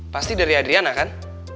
pasti dari adriana kan